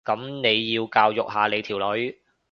噉你要教育下你條女